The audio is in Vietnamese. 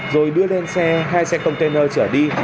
rồi đưa lên xe hai xe container trở đi